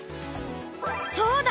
そうだ！